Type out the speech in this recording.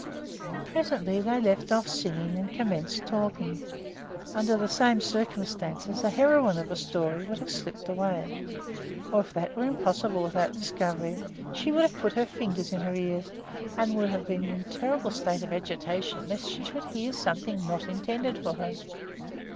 Presently they left off singing and commenced talking. Under the same circumstances a heroine of a story would have slipped away; or, if that were impossible without discovery, she would have put her fingers in her ears, and would have been in a terrible state of agitation lest she should hear something not intended for her.